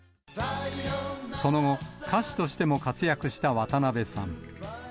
その後、歌手としても活躍した渡辺さん。